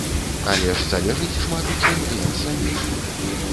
Але ж залежыць шмат у чым і ад саміх.